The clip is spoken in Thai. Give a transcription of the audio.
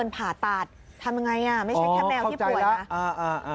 ผ่าตาดทำยังไงไม่ใช่แค่แมวที่ป่วยอ๋อเข้าใจละอ่าอ่า